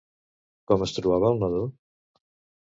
Com es trobava el nadó?